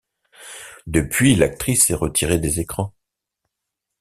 Depuis, l'actrice s'est retirée des écrans.